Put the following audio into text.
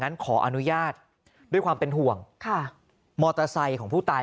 ขออนุญาตด้วยความเป็นห่วงค่ะมอเตอร์ไซค์ของผู้ตาย